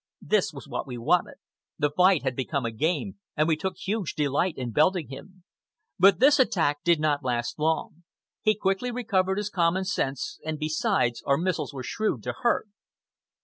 This was what we wanted. The fight had become a game, and we took huge delight in pelting him. But this attack did not last long. He quickly recovered his common sense, and besides, our missiles were shrewd to hurt.